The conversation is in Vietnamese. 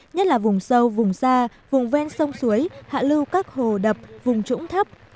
nhất là vùng sâu vùng xa vùng ven sông suối hạ lưu các hồ đập vùng trũng thấp